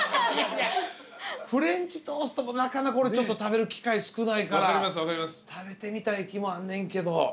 フレンチトーストもなかなか俺食べる機会少ないから食べてみたい気もあんねんけど。